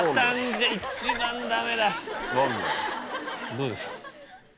どうですか？